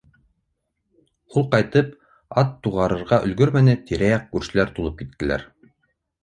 Ул ҡайтып, ат туғарырға өлгөрмәне, тирә-яҡ күршеләр тулып киттеләр.